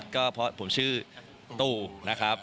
ก็เพราะผมชื่อตู้นะครับ